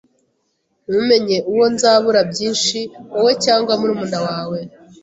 ntumenye uwo nzabura byinshi, wowe cyangwa murumuna wawe